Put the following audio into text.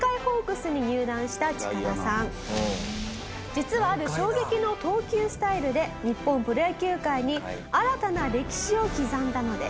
実はある衝撃の投球スタイルで日本プロ野球界に新たな歴史を刻んだのです。